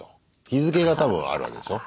日付が多分あるわけでしょ。